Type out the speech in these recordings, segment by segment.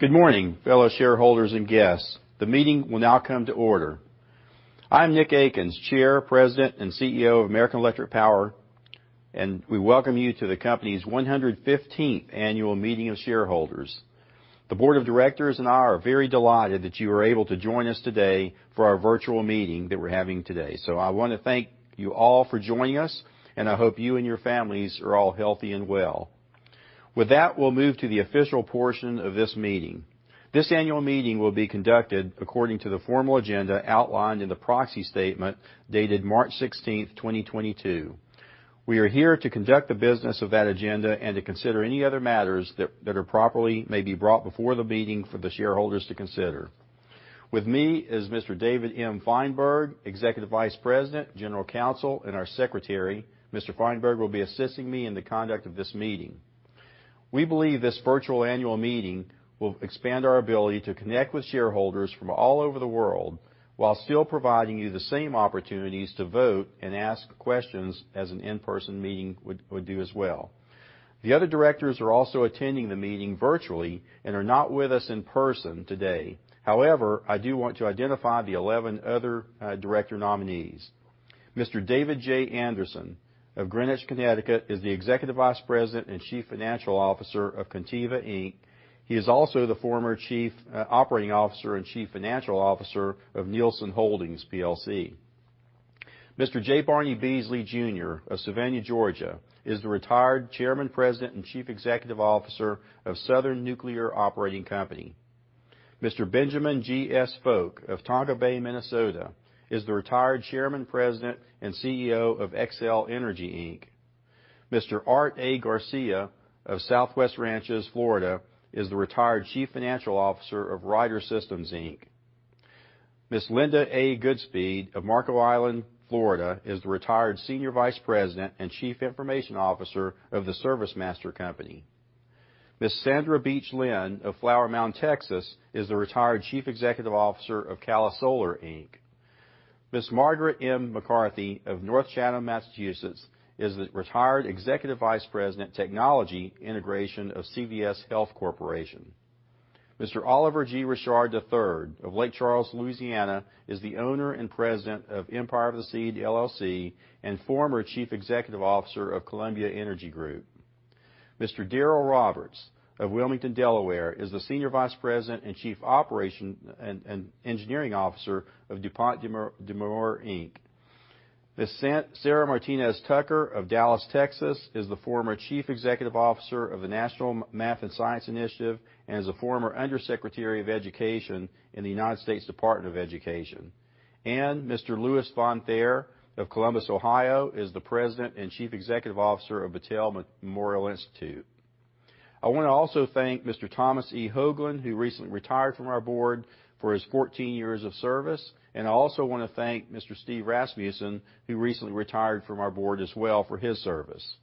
Good morning, fellow shareholders and guests. The meeting will now come to order. I'm Nicholas K. Akins, Chair, President, and CEO of American Electric Power, and we welcome you to the company's 115th annual meeting of shareholders. The board of directors and I are very delighted that you are able to join us today for our virtual meeting that we're having today. I wanna thank you all for joining us, and I hope you and your families are all healthy and well. With that, we'll move to the official portion of this meeting. This annual meeting will be conducted according to the formal agenda outlined in the proxy statement dated March 16th, 2022. We are here to conduct the business of that agenda and to consider any other matters that may properly be brought before the meeting for the shareholders to consider. With me is Mr. David M. Feinberg, Executive Vice President, General Counsel, and our Secretary. Mr. Feinberg will be assisting me in the conduct of this meeting. We believe this virtual annual meeting will expand our ability to connect with shareholders from all over the world while still providing you the same opportunities to vote and ask questions as an in-person meeting would do as well. The other directors are also attending the meeting virtually and are not with us in person today. However, I do want to identify the eleven other director nominees. Mr. David J. Anderson of Greenwich, Connecticut is the Executive Vice President and Chief Financial Officer of Corteva, Inc. He is also the former Chief Operating Officer and Chief Financial Officer of Nielsen Holdings plc. Mr. J. Barnie Beasley Jr. of Savannah, Georgia is the retired Chairman, President and Chief Executive Officer of Southern Nuclear Operating Company. Mr. Benjamin G.S. Fowke III of Tonka Bay, Minnesota is the retired Chairman, President and CEO of Xcel Energy Inc. Mr. Art A. Garcia of Southwest Ranches, Florida is the retired Chief Financial Officer of Ryder System, Inc. Ms. Linda A. Goodspeed of Marco Island, Florida is the retired Senior Vice President and Chief Information Officer of The ServiceMaster Company. Ms. Sandra Beach Lin of Flower Mound, Texas is the retired Chief Executive Officer of Calisolar, Inc. Ms. Margaret M. McCarthy of North Chatham, Massachusetts is the retired Executive Vice President, Technology Integration of CVS Health Corporation. Mr. Oliver G. Richard III of Lake Charles, Louisiana is the owner and President of Empire of the Seed LLC and former Chief Executive Officer of Columbia Energy Group. Daniel L. Roberts of Wilmington, Delaware is the Senior Vice President and Chief Operations and Engineering Officer of DuPont de Nemours, Inc. Ms. Sara Martinez Tucker of Dallas, Texas is the former Chief Executive Officer of the National Math and Science Initiative, and is a former Under Secretary of Education in the United States Department of Education. Mr. Lewis Von Thaer of Columbus, Ohio is the President and Chief Executive Officer of Battelle Memorial Institute. I wanna also thank Mr. Thomas E. Hoagland, who recently retired from our board for his 14 years of service. I also wanna thank Mr. Steve Rasmussen, who recently retired from our board as well for his service.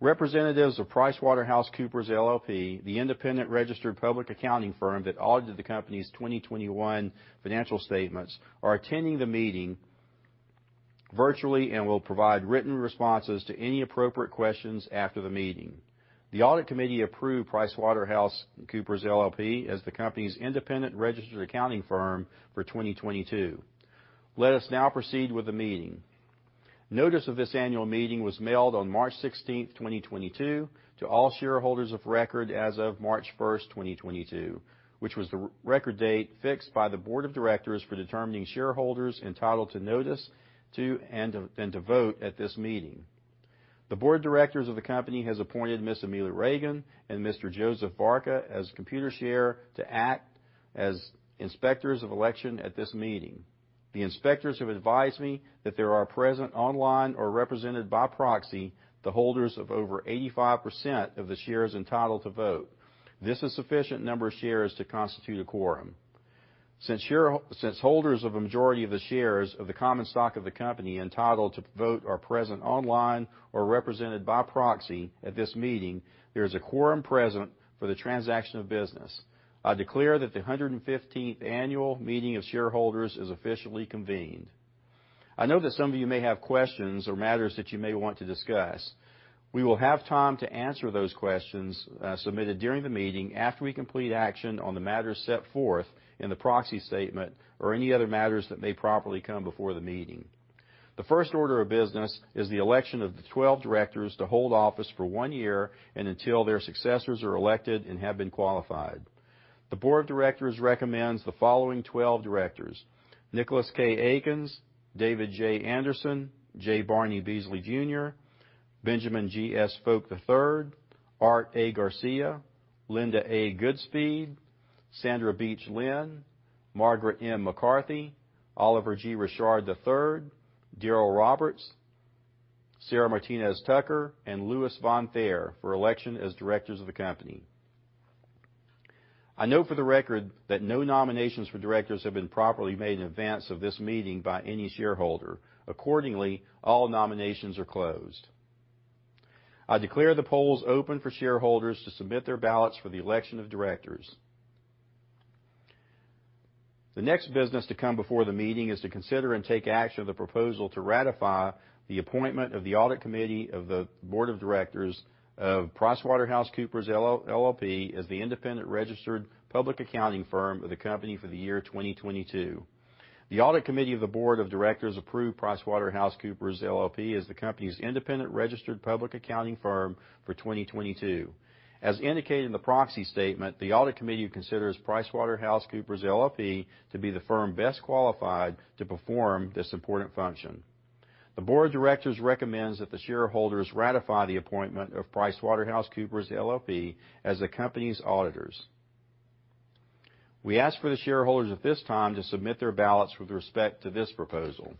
Representatives of PricewaterhouseCoopers LLP, the independent registered public accounting firm that audited the company's 2021 financial statements, are attending the meeting virtually and will provide written responses to any appropriate questions after the meeting. The Audit Committee approved PricewaterhouseCoopers LLP as the company's independent registered accounting firm for 2022. Let us now proceed with the meeting. Notice of this annual meeting was mailed on March 16, 2022 to all shareholders of record as of March 1, 2022, which was the record date fixed by the board of directors for determining shareholders entitled to notice of and to vote at this meeting. The board of directors of the company has appointed Ms. Amelia Reagan and Mr. Joseph Barca of Computershare to act as inspectors of election at this meeting. The inspectors have advised me that there are present online or represented by proxy the holders of over 85% of the shares entitled to vote. This is sufficient number of shares to constitute a quorum. Since holders of a majority of the shares of the common stock of the company entitled to vote are present online or represented by proxy at this meeting, there is a quorum present for the transaction of business. I declare that the 115th annual meeting of shareholders is officially convened. I know that some of you may have questions or matters that you may want to discuss. We will have time to answer those questions submitted during the meeting after we complete action on the matters set forth in the proxy statement or any other matters that may properly come before the meeting. The first order of business is the election of the 12 directors to hold office for 1 year and until their successors are elected and have been qualified. The board of directors recommends the following 12 directors: Nicholas K. Akins, David J. Anderson, J. Barnie Beasley Jr., Benjamin G.S. Fowke III, Art A. Garcia, Linda A. Goodspeed, Sandra Beach Lin, Margaret M. McCarthy, Oliver G. Richard III, Daniel L. Roberts, Sara Martinez Tucker, and Lewis Von Thaer for election as directors of the company. I note for the record that no nominations for directors have been properly made in advance of this meeting by any shareholder. Accordingly, all nominations are closed. I declare the polls open for shareholders to submit their ballots for the election of directors. The next business to come before the meeting is to consider and take action on the proposal to ratify the appointment of the audit committee of the board of directors of PricewaterhouseCoopers LLP as the independent registered public accounting firm of the company for the year 2022. The audit committee of the board of directors approved PricewaterhouseCoopers LLP as the company's independent registered public accounting firm for 2022. As indicated in the proxy statement, the audit committee considers PricewaterhouseCoopers LLP to be the firm best qualified to perform this important function. The board of directors recommends that the shareholders ratify the appointment of PricewaterhouseCoopers LLP as the company's auditors. We ask for the shareholders at this time to submit their ballots with respect to this proposal.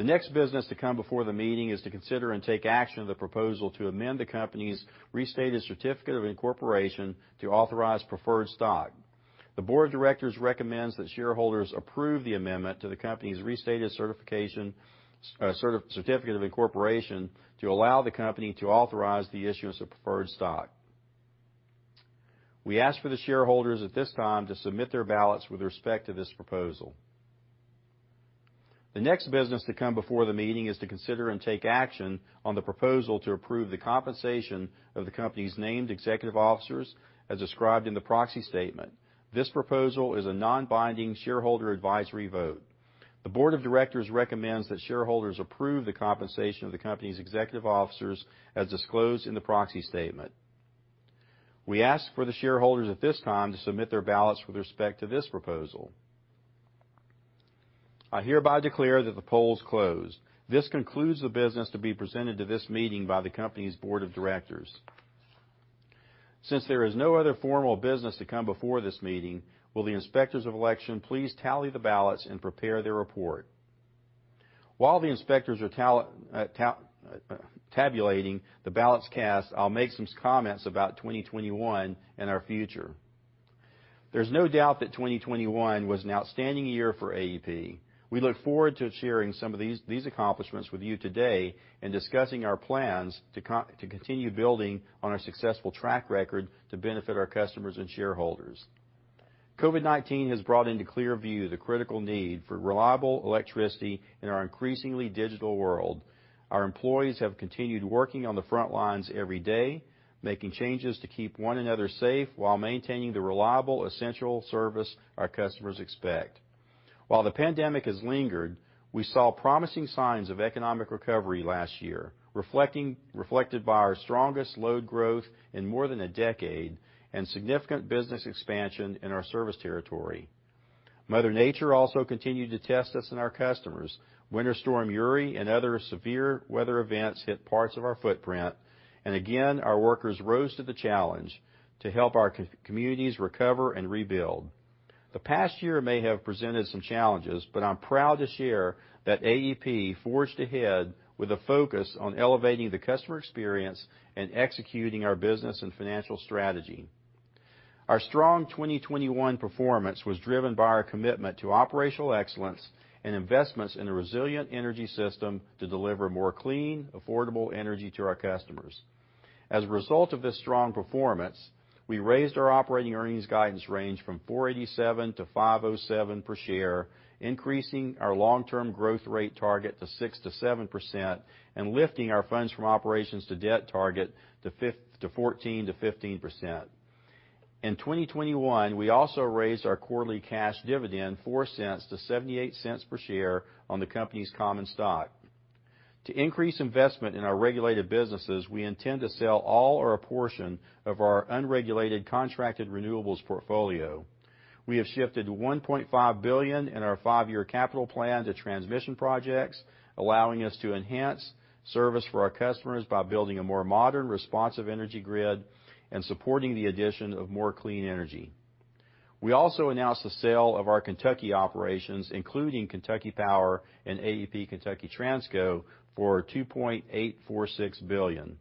The next business to come before the meeting is to consider and take action on the proposal to amend the company's restated certificate of incorporation to authorize preferred stock. The board of directors recommends that shareholders approve the amendment to the company's restated certificate of incorporation to allow the company to authorize the issuance of preferred stock. We ask the shareholders at this time to submit their ballots with respect to this proposal. The next business to come before the meeting is to consider and take action on the proposal to approve the compensation of the company's named executive officers as described in the proxy statement. This proposal is a non-binding shareholder advisory vote. The board of directors recommends that shareholders approve the compensation of the company's executive officers as disclosed in the proxy statement. We ask for the shareholders at this time to submit their ballots with respect to this proposal. I hereby declare that the poll is closed. This concludes the business to be presented to this meeting by the company's board of directors. Since there is no other formal business to come before this meeting, will the inspectors of election please tally the ballots and prepare their report. While the inspectors are tabulating the ballots cast, I'll make some comments about 2021 and our future. There's no doubt that 2021 was an outstanding year for AEP. We look forward to sharing some of these accomplishments with you today and discussing our plans to continue building on our successful track record to benefit our customers and shareholders. COVID-19 has brought into clear view the critical need for reliable electricity in our increasingly digital world. Our employees have continued working on the front lines every day, making changes to keep 1 another safe while maintaining the reliable, essential service our customers expect. While the pandemic has lingered, we saw promising signs of economic recovery last year, reflected by our strongest load growth in more than a decade and significant business expansion in our service territory. Mother Nature also continued to test us and our customers. Winter Storm Uri and other severe weather events hit parts of our footprint, and again, our workers rose to the challenge to help our communities recover and rebuild. The past year may have presented some challenges, but I'm proud to share that AEP forged ahead with a focus on elevating the customer experience and executing our business and financial strategy. Our strong 2021 performance was driven by our commitment to operational excellence and investments in a resilient energy system to deliver more clean, affordable energy to our customers. As a result of this strong performance, we raised our operating earnings guidance range from $4.87-$5.07 per share, increasing our long-term growth rate target to 6%-7% and lifting our funds from operations to debt target to 14%-15%. In 2021, we also raised our quarterly cash dividend $0.04-$0.78 per share on the company's common stock. To increase investment in our regulated businesses, we intend to sell all or a portion of our unregulated contracted renewables portfolio. We have shifted $1.5 billion in our 5-year capital plan to transmission projects, allowing us to enhance service for our customers by building a more modern, responsive energy grid and supporting the addition of more clean energy. We also announced the sale of our Kentucky operations, including Kentucky Power and AEP Kentucky Transco, for $2.846 billion.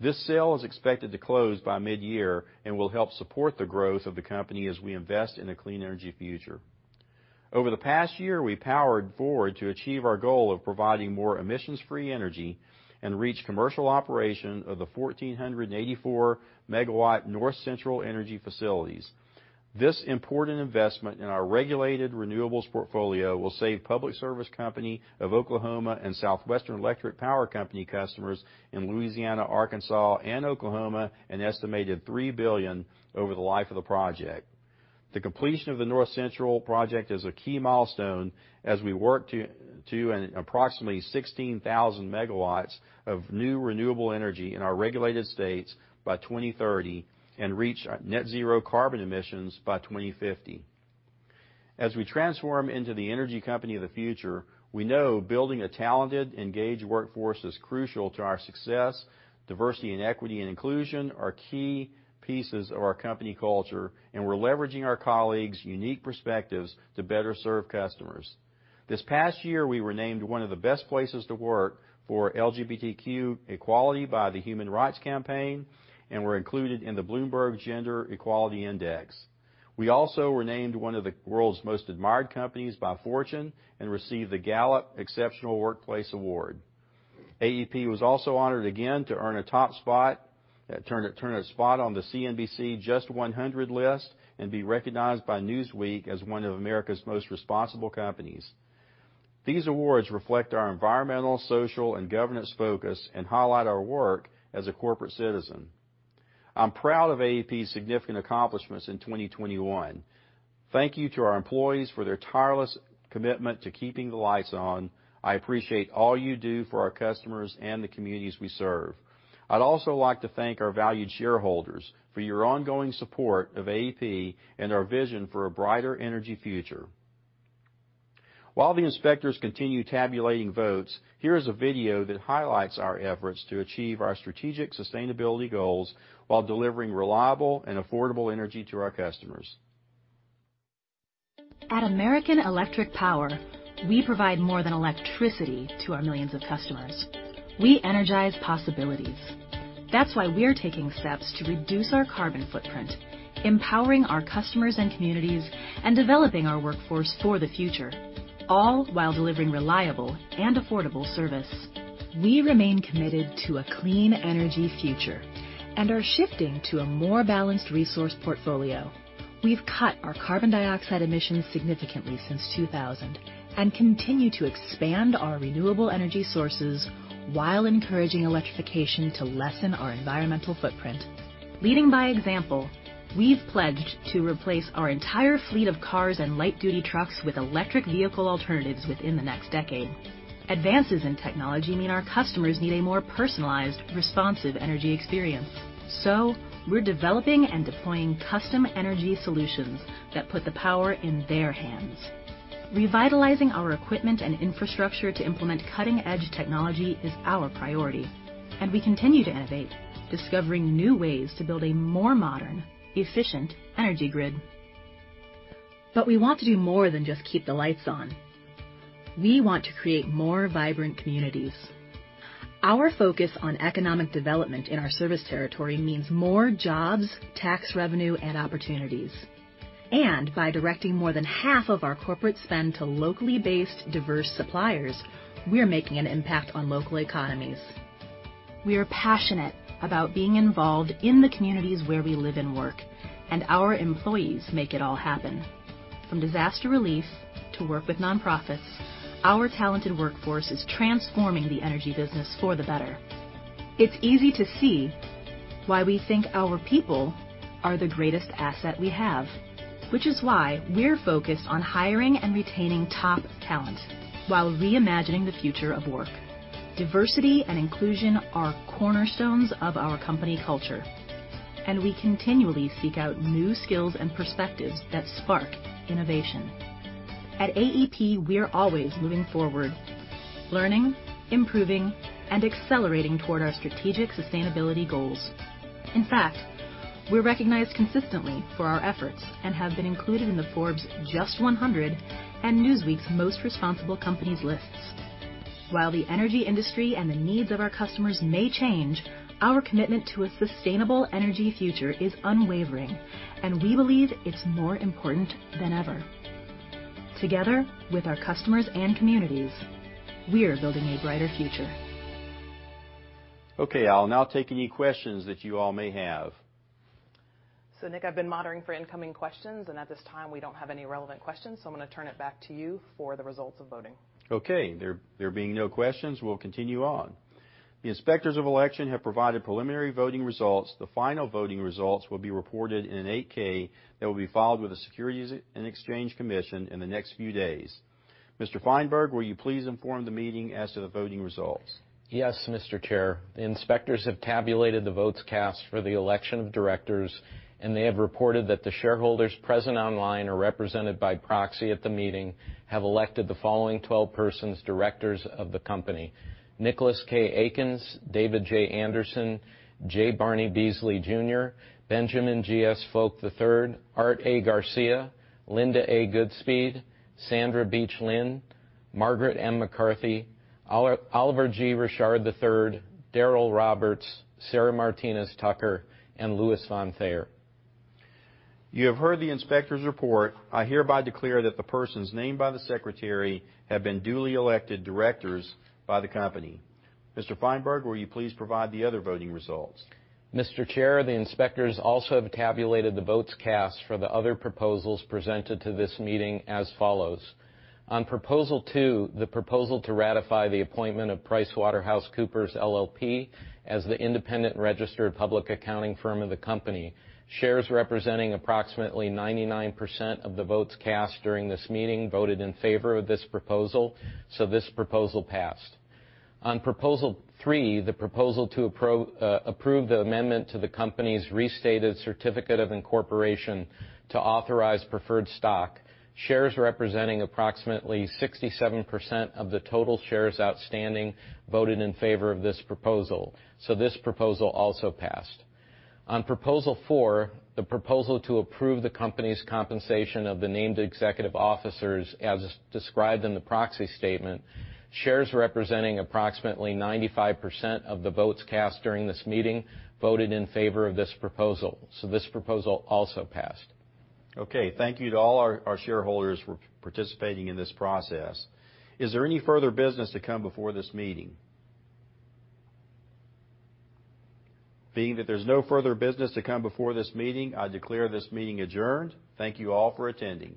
This sale is expected to close by mid-year and will help support the growth of the company as we invest in a clean energy future. Over the past year, we powered forward to achieve our goal of providing more emissions-free energy and reach commercial operation of the 1,484-MW North Central energy facilities. This important investment in our regulated renewables portfolio will save Public Service Company of Oklahoma and Southwestern Electric Power Company customers in Louisiana, Arkansas, and Oklahoma an estimated $3 billion over the life of the project. The completion of the North Central project is a key milestone as we work to an approximately 16,000 MW of new renewable energy in our regulated states by 2030 and reach net zero carbon emissions by 2050. As we transform into the energy company of the future, we know building a talented, engaged workforce is crucial to our success. Diversity and equity and inclusion are key pieces of our company culture, and we're leveraging our colleagues' unique perspectives to better serve customers. This past year, we were named 1 of the best places to work for LGBTQ equality by the Human Rights Campaign, and we're included in the Bloomberg Gender-Equality Index. We also were named 1 of the world's most admired companies by Fortune and received the Gallup Exceptional Workplace Award. AEP was also honoured again to earn a top spot on the JUST 100 list and be recognized by Newsweek as 1 of America's most responsible companies. These awards reflect our environmental, social, and governance focus and highlight our work as a corporate citizen. I'm proud of AEP's significant accomplishments in 2021. Thank you to our employees for their tireless commitment to keeping the lights on. I appreciate all you do for our customers and the communities we serve. I'd also like to thank our valued shareholders for your ongoing support of AEP and our vision for a brighter energy future. While the inspectors continue tabulating votes, here's a video that highlights our efforts to achieve our strategic sustainability goals while delivering reliable and affordable energy to our customers. At American Electric Power, we provide more than electricity to our millions of customers. We energize possibilities. That's why we're taking steps to reduce our carbon footprint, empowering our customers and communities, and developing our workforce for the future, all while delivering reliable and affordable service. We remain committed to a clean energy future and are shifting to a more balanced resource portfolio. We've cut our carbon dioxide emissions significantly since 2000 and continue to expand our renewable energy sources while encouraging electrification to lessen our environmental footprint. Leading by example, we've pledged to replace our entire fleet of cars and light duty trucks with electric vehicle alternatives within the next decade. Advances in technology mean our customers need a more personalized, responsive energy experience. We're developing and deploying custom energy solutions that put the power in their hands. Revitalizing our equipment and infrastructure to implement cutting edge technology is our priority. We continue to innovate, discovering new ways to build a more modern, efficient energy grid. We want to do more than just keep the lights on. We want to create more vibrant communities. Our focus on economic development in our service territory means more jobs, tax revenue, and opportunities. By directing more than half of our corporate spend to locally based diverse suppliers, we are making an impact on local economies. We are passionate about being involved in the communities where we live and work, and our employees make it all happen. From disaster relief to work with non profits, our talented workforce is transforming the energy business for the better. It's easy to see why we think our people are the greatest asset we have, which is why we're focused on hiring and retaining top talent while reimagining the future of work. Diversity and inclusion are cornerstones of our company culture, and we continually seek out new skills and perspectives that spark innovation. At AEP, we are always moving forward, learning, improving, and accelerating toward our strategic sustainability goals. In fact, we're recognized consistently for our efforts and have been included in the JUST 100 and Newsweek's America's Most Responsible Companies lists. While the energy industry and the needs of our customers may change, our commitment to a sustainable energy future is unwavering, and we believe it's more important than ever. Together with our customers and communities, we are building a brighter future. Okay, I'll now take any questions that you all may have. Nick, I've been monitoring for incoming questions, and at this time, we don't have any relevant questions, so I'm going to turn it back to you for the results of voting. Okay. There being no questions, we'll continue on. The inspectors of election have provided preliminary voting results. The final voting results will be reported in an 8-K that will be filed with the Securities and Exchange Commission in the next few days. Mr. Feinberg, will you please inform the meeting as to the voting results? Yes, Mr. Chair. The inspectors have tabulated the votes cast for the election of directors, and they have reported that the shareholders present online are represented by proxy at the meeting have elected the following 12 persons directors of the company: Nicholas K. Akins, David J. Anderson, J. Barnie Beasley Jr., Benjamin G.S. Fowke III, Art A. Garcia, Linda A. Goodspeed, Sandra Beach Lin, Margaret M. McCarthy, Oliver G. Richard III, Daniel L. Roberts, Sara Martinez Tucker, and Lewis Von Thaer. You have heard the inspector's report. I hereby declare that the persons named by the secretary have been duly elected directors by the company. Mr. Feinberg, will you please provide the other voting results? Mr. Chair, the inspectors also have tabulated the votes cast for the other proposals presented to this meeting as follows. On proposal 2, the proposal to ratify the appointment of PricewaterhouseCoopers LLP as the independent registered public accounting firm of the company. Shares representing approximately 99% of the votes cast during this meeting voted in favor of this proposal, so this proposal passed. On proposal 3, the proposal to approve the amendment to the company's restated certificate of incorporation to authorize preferred stock. Shares representing approximately 67% of the total shares outstanding voted in favor of this proposal, so this proposal also passed. On proposal 4, the proposal to approve the company's compensation of the named executive officers as described in the proxy statement. Shares representing approximately 95% of the votes cast during this meeting voted in favor of this proposal, so this proposal also passed. Okay. Thank you to all our shareholders for participating in this process. Is there any further business to come before this meeting? Being that there's no further business to come before this meeting, I declare this meeting adjourned. Thank you all for attending.